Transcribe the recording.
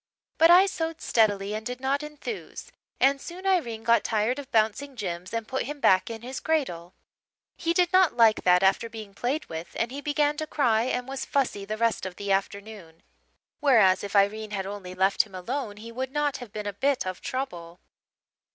But I sewed steadily and did not enthuse, and soon Irene got tired of bouncing Jims and put him back in his cradle. He did not like that after being played with, and he began to cry and was fussy the rest of the afternoon, whereas if Irene had only left him alone he would not have been a bit of trouble.